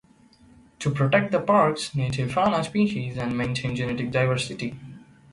To protect the parks native fauna species and maintain genetic diversity.